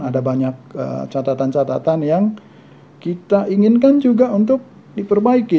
ada banyak catatan catatan yang kita inginkan juga untuk diperbaiki